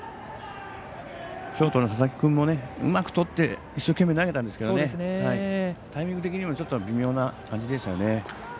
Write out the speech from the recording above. ショートの佐々木君もうまくとって一生懸命投げたんですけどタイミング的にもちょっと微妙な感じでしたね。